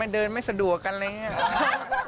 เดินไม่สะดวกกันอะไรอย่างนี้